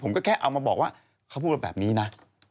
แค่เอามาบอกว่าเขาพูดมาแบบนี้นะ